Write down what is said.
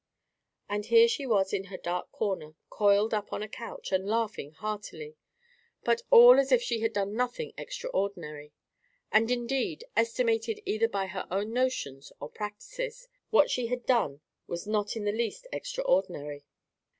There she was in her dark corner, coiled up on a couch, and laughing heartily; but all as if she had done nothing extraordinary. And, indeed, estimated either by her own notions or practices, what she had done was not in the least extraordinary.